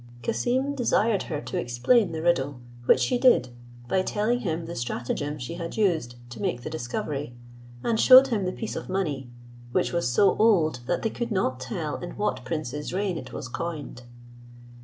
Cassim desired her to explain the riddle, which she did, by telling him the stratagem she had used to make the discovery, and shewed him the piece of money, which was so old that they could not tell in what prince's reign it was coined.